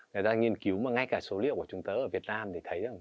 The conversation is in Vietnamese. người ta nghiên cứu mà ngay cả số liệu của chúng ta ở việt nam để thấy rằng